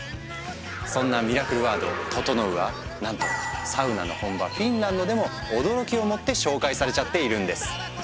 そんなミラクルワード「ととのう」はなんとサウナの本場フィンランドでも驚きをもって紹介されちゃっているんです。